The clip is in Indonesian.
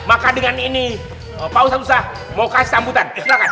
maka dengan ini pak husa hususah mau kasih tambutan silahkan